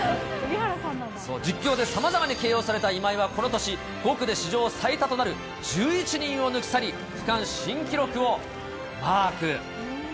そう、実況でさまざまに形容された今井はこの年、５区で史上最多となる１１人を抜き去り、区間新記録をマーク。